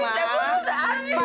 saya mau lihat ardi